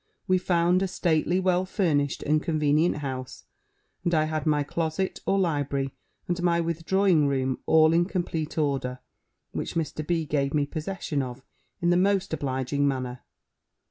We found a stately, well furnished, and convenient house; and I had my closet, or library, and my withdrawing room, all in complete order, which Mr. B. gave me possession of in the most obliging manner.